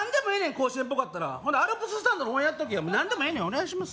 甲子園っぽかったらほなアルプススタンドの応援やっとけよ何でもええねんお願いします